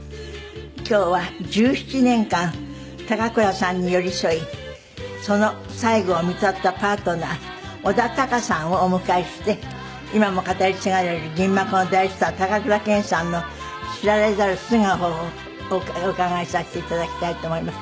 今日は１７年間高倉さんに寄り添いその最期を看取ったパートナー小田貴月さんをお迎えして今も語り継がれる銀幕の大スター高倉健さんの知られざる素顔をお伺いさせて頂きたいと思います。